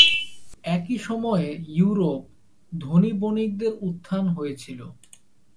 একই সময়ে, ইউরোপ "ধনী বণিকদের উত্থান" হয়েছিলো।